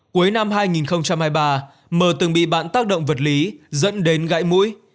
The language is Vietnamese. cuối năm hai nghìn hai mươi ba mờ từng bị bạn tác động vật lý dẫn đến gãy mũi